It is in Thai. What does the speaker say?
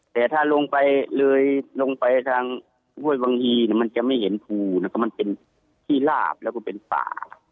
แต่ถ้าลงไปเลยลงไปทางห้วยวังอีเนี่ยมันจะไม่เห็นภูนะครับมันเป็นที่ลาบแล้วก็เป็นป่า